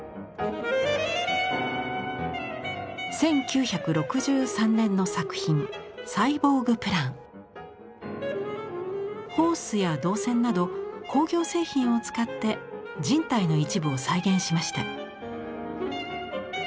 １９６３年の作品ホースや銅線など工業製品を使って人体の一部を再現しました。